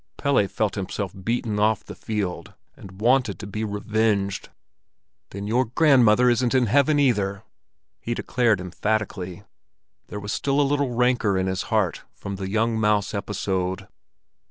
Pelle felt himself beaten off the field and wanted to be revenged. "Then your grandmother isn't in heaven, either!" he declared emphatically. There was still a little rancor in his heart from the young mouse episode.